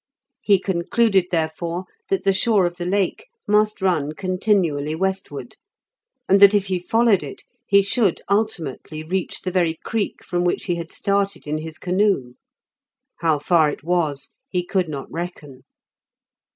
He concluded, therefore, that the shore of the Lake must run continually westward, and that if he followed it he should ultimately reach the very creek from which he had started in his canoe. How far it was he could not reckon.